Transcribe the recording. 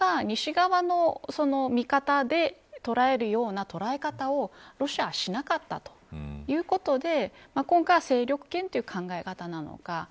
ところが西側の味方で捉えるような捉え方をロシアはしなかったということで今回は勢力圏という考え方なのか。